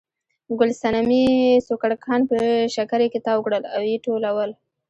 ګل صنمې سوکړکان په شکري کې تاو کړل او یې ټولول.